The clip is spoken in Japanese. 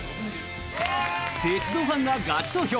「鉄道ファンがガチ投票！